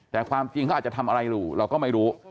แต่ความจริงเขาอาจจะทำอะไรอยู่เราก็ไม่รู้